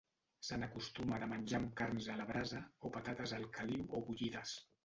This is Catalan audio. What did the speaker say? Se n'acostuma de menjar amb carns a la brasa o patates al caliu o bullides.